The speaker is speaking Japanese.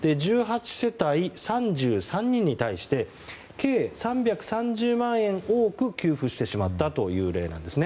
１８世帯３３人に対して計３３０万円多く給付してしまったという例なんです。